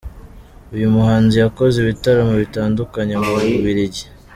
Uyu muhanzi yakoze ibitaramo bitandukanye mu Bubiligi